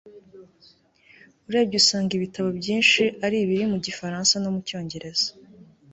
urebye usanga ibitabo byinshi ari ibiri mu gifaransa no mu cyomgereza